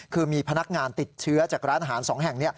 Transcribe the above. คือมีพนักงานติดเชื้อจากร้านอาหาร๒แห่ง